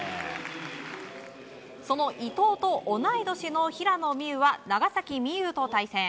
その伊藤と同い年の平野美宇は長崎美柚と対戦。